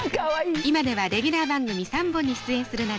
「今ではレギュラー番組３本に出演するなど」